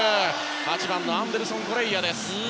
８番のアンデルソン・コレイアです。